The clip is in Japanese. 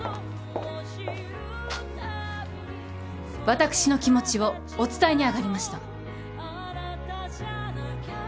私の気持ちをお伝えにあがりました